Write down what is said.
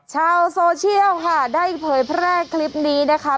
ชาวโซเชียลค่ะได้เผยแพร่คลิปนี้นะคะ